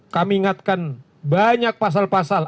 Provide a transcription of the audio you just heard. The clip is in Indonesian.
kami ingatkan banyak pasal pasal